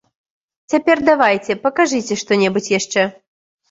Цяпер давайце, пакажыце што-небудзь яшчэ.